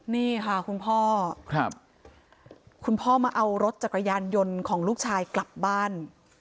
นี่ค่ะคุณพ่อคุณพ่อมาเอารถจักรยานยนต์ของลูกชายกลับบ้าน